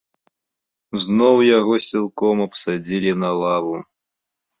Зноў яго сілком абсадзілі на лаву.